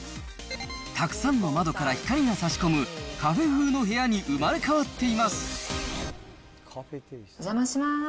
たくさんの窓から光がさし込むカフェ風の部屋に生まれ変わっていお邪魔します。